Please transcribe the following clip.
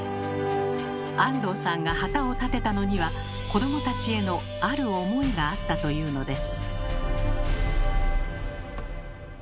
安藤さんが旗を立てたのには子どもたちへのある思いがあったというのです。